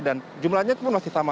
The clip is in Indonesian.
dan jumlahnya itu masih sama